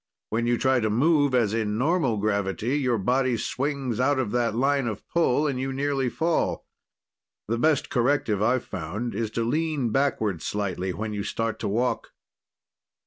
When you try to move, as in normal gravity, your body swings out of that line of pull and you nearly fall. The best corrective, I've found, is to lean backward slightly when you start to walk."